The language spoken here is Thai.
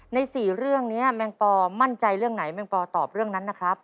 ใน๔เรื่องนี้แมงปอมั่นใจเรื่องไหนแมงปอตอบเรื่องนั้นนะครับ